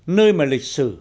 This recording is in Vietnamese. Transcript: nơi mà lịch sử